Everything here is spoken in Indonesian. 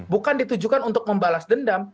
bukan ditujukan untuk membalas dendam